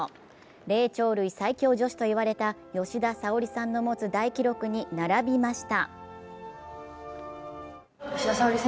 霊長類最強女子と言われた吉田沙保里さんの持つ大記録に並びました。